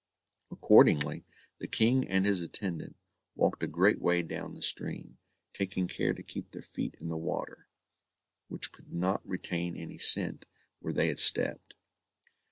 Accordingly, the King and his attendant walked a great way down the stream, taking care to keep their feet in the water, which could not retain any scent where they had stepped.